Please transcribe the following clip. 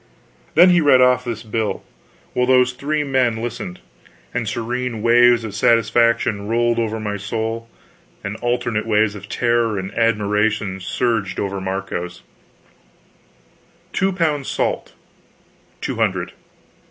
Then he read off this bill, while those three amazed men listened, and serene waves of satisfaction rolled over my soul and alternate waves of terror and admiration surged over Marco's: 2 pounds salt ............